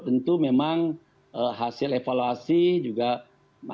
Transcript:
tentu memang hasil evaluasi juga masih